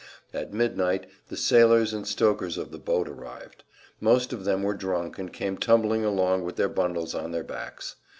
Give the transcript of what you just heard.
At midnight the sailors and stokers of the boat arrived. Most of them were drunk and came tumbling along with their bundles on their backs.